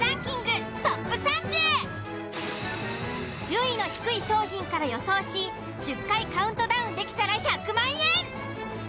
順位の低い商品から予想し１０回カウントダウンできたら１００万円！